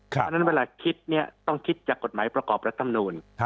เพราะฉะนั้นเวลาคิดเนี่ยต้องคิดจากกฎหมายประกอบรัฐมนูล